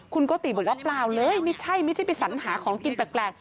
คุณโกติบอกว่าเปล่าเลยไม่ใช่ไม่ใช่ไปสัญหาของกินแปลก